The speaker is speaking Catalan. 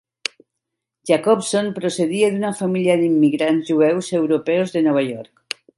Jacobson procedia d'una família d'immigrants jueus europeus de Nova York.